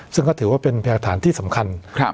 ซึ่งก็ถือว่าเป็นพยาฐานที่สำคัญ